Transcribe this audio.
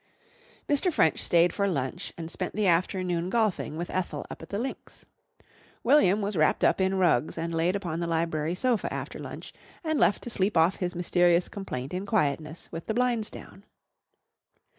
Mr. French stayed for lunch and spent the afternoon golfing with Ethel up at the links. William was wrapt up in rugs and laid upon the library sofa after lunch and left to sleep off his mysterious complaint in quietness with the blinds down.